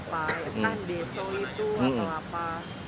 pak kan deso itu atau apa